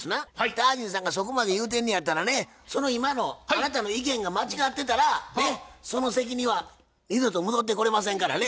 タージンさんがそこまで言うてんのやったらねその今のあなたの意見が間違ってたらその席には二度と戻ってこれませんからね。